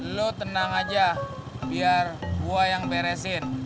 lo tenang aja biar gue yang beresin